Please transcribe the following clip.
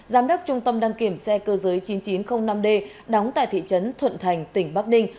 giám đốc trung tâm đăng kiểm xe cơ giới chín nghìn chín trăm linh năm d đóng tại thị trấn thuận thành tỉnh bắc ninh